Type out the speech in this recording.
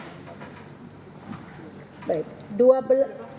perolehan suara sah tujuh belas ribu lima ratus sembilan puluh empat